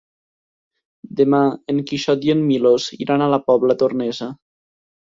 Demà en Quixot i en Milos iran a la Pobla Tornesa.